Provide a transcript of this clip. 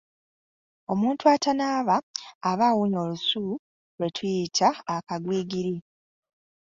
Omuntu atanaaba aba awunya olusu lwe tuyita "Akagwigiri".